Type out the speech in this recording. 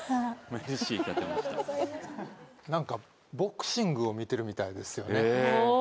何かボクシングを見てるみたいですよね。